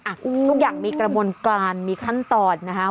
ทุกอย่างมีกระบวนการมีขั้นตอนนะฮะ